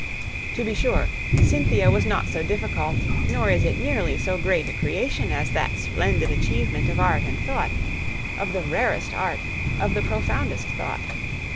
To be sure, Cynthia was not so difficult, nor is it nearly so great a creation as that splendid achievement of art and thought of the rarest art, of the profoundest thought.